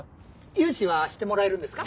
融資はしてもらえるんですか？